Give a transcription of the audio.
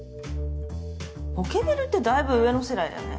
ポケベルってだいぶ上の世代だよね？